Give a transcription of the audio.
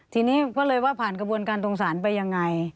ทีนี้ก็เลยว่าผ่านกระบวนการตรงศาลไปยังไง